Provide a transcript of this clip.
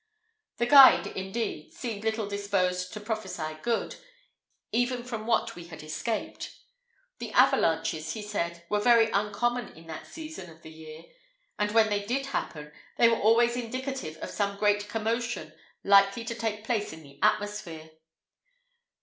The guide, indeed, seemed little disposed to prophesy good, even from what we had escaped. The avalanches, he said, were very uncommon at that season of the year, and when they did happen, they were always indicative of some great commotion likely to take place in the atmosphere.